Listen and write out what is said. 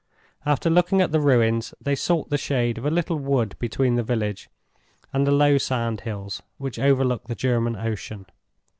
After looking at the ruins, they sought the shade of a little wood between the village and the low sand hills which overlook the German Ocean.